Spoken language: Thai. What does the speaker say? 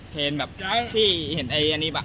เทรนแบบที่เห็นไอ้อันนี้ป่ะ